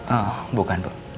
oh bukan pak